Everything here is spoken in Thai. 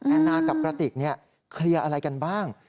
นานากับกระติกเคลียร์อะไรกันบ้าง